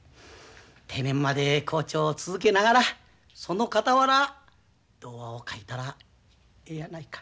定年まで校長を続けながらそのかたわら童話を書いたらええやないか」。